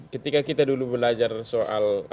ketika kita dulu belajar soal